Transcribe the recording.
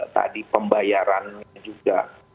tadi pembayaran juga